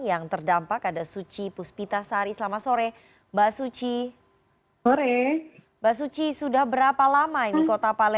yang terdampak ada suci puspita sari selama sore